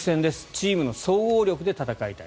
チームの総合力で戦いたい。